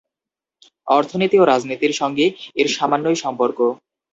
অর্থনীতি ও রাজনীতির সঙ্গে এর সামান্যই সম্পর্ক।